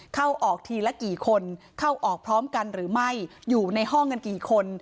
เข้าออกทีละกี่คนเข้าออกพร้อมกันหรือไม่อยู่ในห้องกันกี่คน